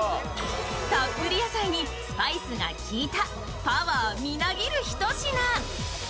たっぷり野菜にスパイスがきいたパワーみなぎるひと品。